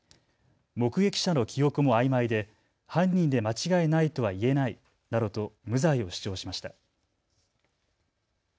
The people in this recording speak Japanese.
目撃者の記憶もあいまいで犯人で間違いないとは言えないなどと無罪を主張しました。